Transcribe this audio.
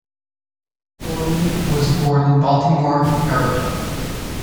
Gordon was born in Baltimore, Maryland.